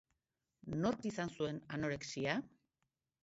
Nork izan zuen anorexia?